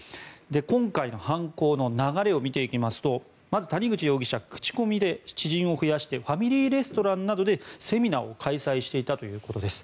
今回の犯行の流れを見ていきますとまず谷口容疑者口コミで知人を増やしてファミリーレストランなどでセミナーを開催していたということです。